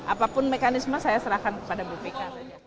apapun mekanisme saya serahkan kepada bpk